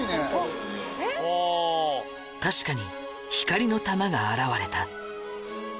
確かに光の球が現れた。